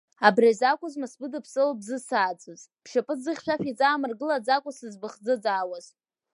Абриазы акәызма сбыдыԥсыло бзысааӡаз, бшьапы ӡы-хьшәашәа иӡаамыргылаӡакәа сызбыхӡыӡаауаз?!